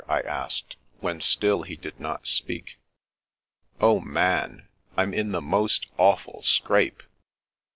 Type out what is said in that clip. '' I asked, when still he did not speak. " Oh, Man, Fm in the most awful scrape.''